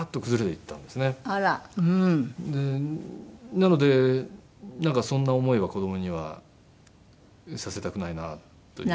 なのでなんかそんな思いは子供にはさせたくないなという。